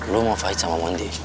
lu mau fight sama mondi